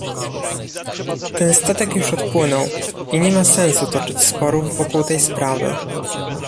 Ten statek już odpłynął i nie ma sensu toczyć sporów wokół tej sprawy